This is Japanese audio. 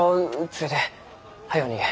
連れて早う逃げ。